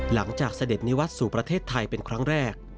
หลังจากเสด็จนิวัฒน์สู่ประเทศไทยเป็นครั้งแรก